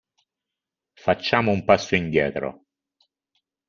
Facciamo un passo indietro.